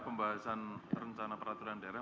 pembahasan rencana peraturan daerah